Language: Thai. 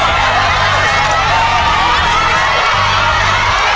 ไปรอก่อนนะ